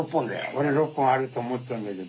おれ６本あると思ってたんだけど。